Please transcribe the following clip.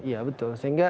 iya betul sehingga